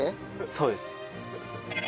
そうです。